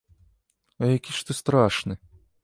А які ж ты страшны!